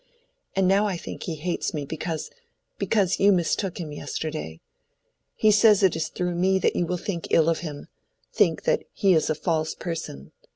"And now I think he hates me because—because you mistook him yesterday. He says it is through me that you will think ill of him—think that he is a false person.